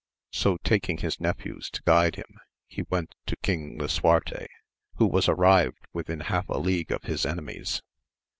So taking his nephews to guide him, he went to King Lisuarte, who was arrived within half a league of his enemies.